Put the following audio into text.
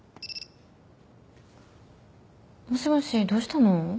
もしもしどうしたの？